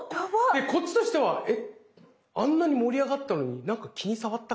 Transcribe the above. でこっちとしてはあんなに盛り上がったのに何か気に障ったかなって。